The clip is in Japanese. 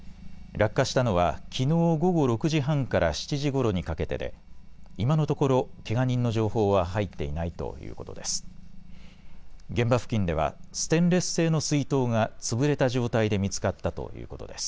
落下したのは、きのう午後６時半から７時ごろにかけてで今のところ、けが人の情報は入っていないということです。